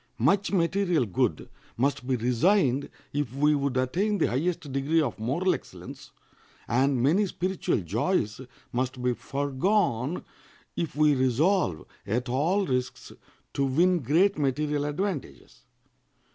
Much material good must be resigned if we would attain the highest degree of moral excellence, and many spiritual joys must be foregone if we resolve at all risks to win great material advantages.